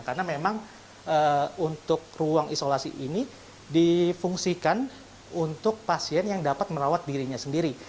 karena memang untuk ruang isolasi ini difungsikan untuk pasien yang dapat merawat dirinya sendiri